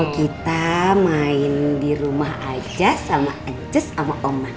kita main di rumah aja sama ncus sama oma